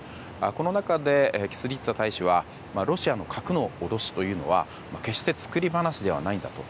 この中で、キスリツァ大使はロシアの核の脅しというのは決して作り話ではないんだと。